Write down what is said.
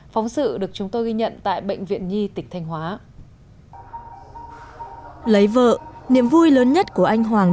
phóng sự được chúng tôi ghi nhận tại bệnh viện nhi tỉnh thanh hóa